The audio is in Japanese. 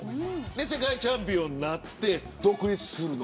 世界チャンピオンになって独立するの。